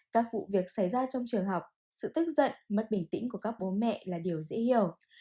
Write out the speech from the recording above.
các vụ việc xảy ra trong trường học sự tức giận mất bình tĩnh của các bố mẹ là điều dễ hiểu